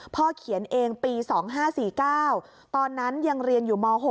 เขียนเองปี๒๕๔๙ตอนนั้นยังเรียนอยู่ม๖